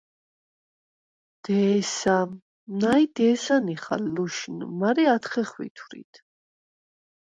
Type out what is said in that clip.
დე̄სა, ნა̈ჲ დე̄სა ნიხალ ლუშნუ, მარე ათხე ხვითვრიდ.